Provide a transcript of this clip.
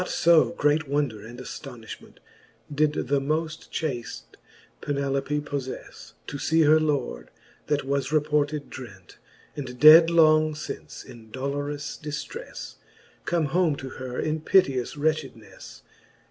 Not io great wonder and aftoniftiment Did the moft chaft Penelope pofTefle, To fee her Lord, that was reported drent^ And dead long fince in dolorous diftrefle, Come home to her in piteous wretchednefle.